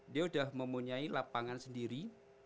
dia sudah mempunyai lapangan sendiri